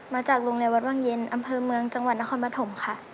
มาจากโรงเรียนวัดวังเย็นอำเภอเมืองจังหวัดนครปฐมค่ะ